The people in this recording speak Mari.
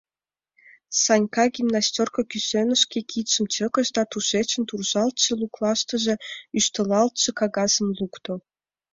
— Санька гимнастёрко кӱсенышке кидшым чыкыш да тушечын туржалтше, луклаштыже ӱштылалтше кагазым лукто.